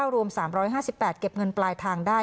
รวม๓๕๘เก็บเงินปลายทางได้